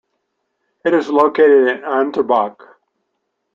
It is located in Unterbach.